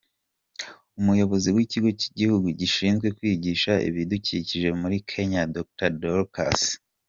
Umuyobozi w’Ikigo cy’igihugu gishinzwe kwigisha ibidukikije muri Kenya, Dr Dorcas B.